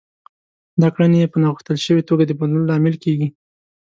دا کړنې يې په ناغوښتل شوې توګه د بدلون لامل کېږي.